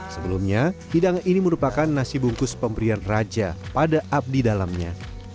sebelumnya hidangan ini merupakan nasi bungkus pemberian raja pada abdi dalamnya